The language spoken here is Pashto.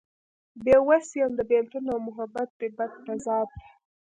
بې وس يم د بيلتون او محبت دې بد تضاد ته